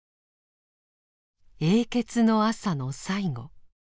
「永訣の朝」の最後。